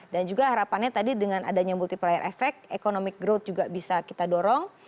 dan juga harapannya tadi dengan adanya multiplier effect economic growth juga bisa kita dorong